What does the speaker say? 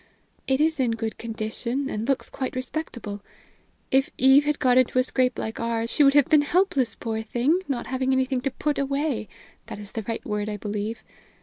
It is in good condition, and looks quite respectable. If Eve had got into a scrape like ours, she would have been helpless, poor thing, not having anything to put away that is the right word, I believe.